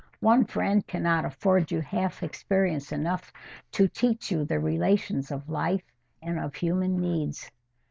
One friend cannot afford you half experience enough to teach you the relations of life and of human needs.